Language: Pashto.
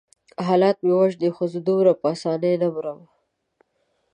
حالات مې وژني خو زه دومره په آسانۍ نه مرم.